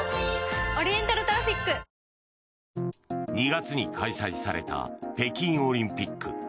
２月に開催された北京オリンピック。